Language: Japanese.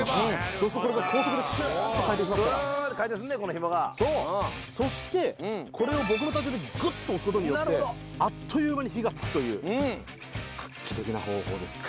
そうすると高速でシューッと回転しますからブーンって回転すんねんこのひもがそうそしてこれを僕の体重でグッと押すことによってあっという間に火がつくといううん画期的な方法です